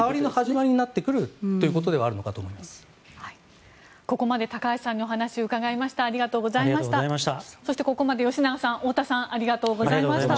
変わりの始まりになってくるということではあるのかとここまで高橋さんにお話をお伺いしました。